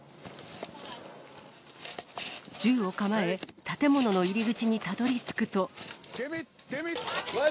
銃を構え、建物の入り口にたどりつくと。